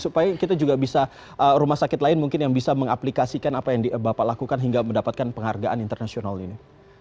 supaya kita juga bisa rumah sakit lain mungkin yang bisa mengaplikasikan apa yang bapak lakukan hingga mendapatkan penghargaan internasional ini